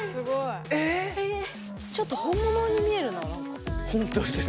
ちょっと本物に見えるな何か。